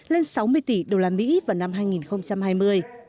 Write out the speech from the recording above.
lên sáu mươi tỷ đô la mỹ vào năm hai nghìn hai mươi